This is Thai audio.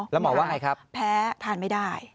แล้วหมอว่าไงครับแพ้ทานไม่ได้